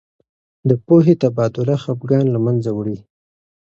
د پوهې تبادله خفګان له منځه وړي.